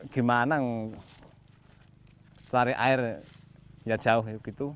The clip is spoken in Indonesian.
gimana cari air ya jauh gitu